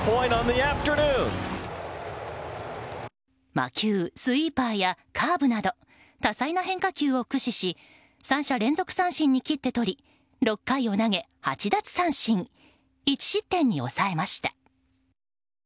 魔球スイーパーやカーブなど多彩な変化球を駆使し３者連続三振に切って取り６回を投げ８奪三振１失点に抑えました。